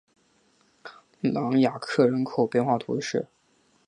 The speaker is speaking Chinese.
朗雅克人口变化图示